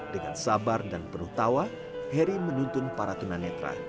dengan sabar dan penuh tawa heri menuntun para tunanetra